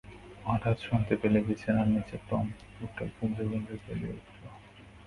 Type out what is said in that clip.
হঠাৎ শুনতে পেলে বিছানার নীচে টম কুকুরটা গুমরে গুমরে কেঁদে উঠল।